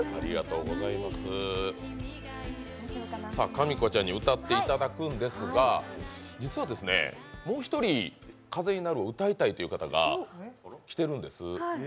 かみこちゃんに歌っていただくんですが、実はもう一人、「風になる」を歌いたいという方が来ているんです。